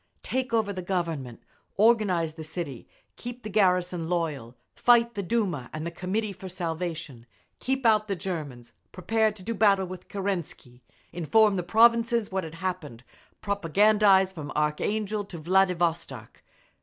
Take over the Government, organise the City, keep the garrison loyal, fight the Duma and the Committee for Salvation, keep out the Germans, prepare to do battle with Kerensky, inform the provinces what had happened, Propagandise from Archangel to Vladivostok….